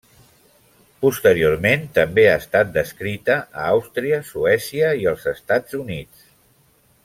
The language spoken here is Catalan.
Posteriorment també ha estat descrita a Àustria, Suècia i els Estats Units.